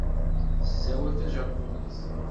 Tessawal tajapunit.